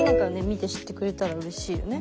見て知ってくれたらうれしいよね。